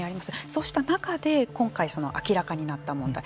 そうした中で今回明らかになった問題